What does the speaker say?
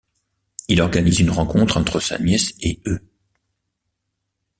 Il organise une rencontre entre sa nièce et eux.